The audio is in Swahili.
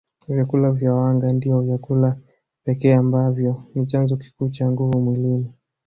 Vyakula vya wanga ndio vyakula pekee ambavyo ni chanzo kikuu cha nguvu mwilini